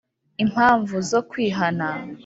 Impamvu zo kwihana